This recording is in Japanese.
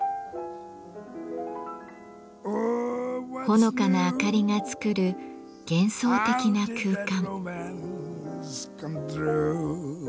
ほのかなあかりが作る幻想的な空間。